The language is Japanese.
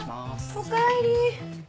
おかえり。